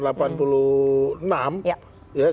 nampaknya saya sudah berusia dua puluh enam tahun